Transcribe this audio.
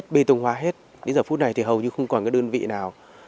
bê tông hóa hết đến giờ phút này thì hầu như không còn cái đơn vị nào